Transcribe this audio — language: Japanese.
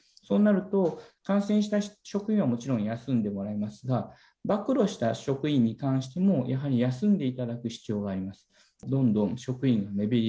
そうなると、感染した職員はもちろん休んでもらいますが、暴露した職員に関しても、やはり休んでいただく必要があります。